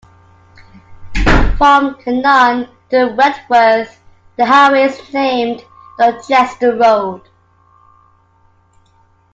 From Canaan to Wentworth, the highway is named Dorchester Road.